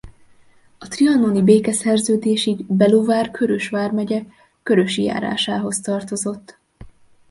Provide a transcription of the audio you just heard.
A trianoni békeszerződésig Belovár-Kőrös vármegye Körösi járásához tartozott.